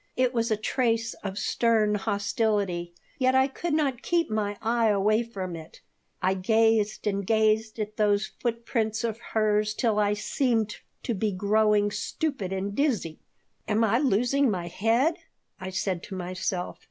It was a trace of stern hostility, yet I could not keep my eye away from it. I gazed and gazed at those foot prints of hers till I seemed to be growing stupid and dizzy. "Am I losing my head?" I said to myself.